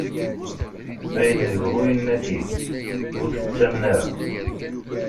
Ayen yebɣu yenna-t-id, ur t-ttamen ara.